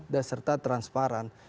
dan serta transparan